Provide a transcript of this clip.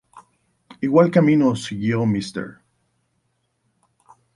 Igual camino siguió Mr.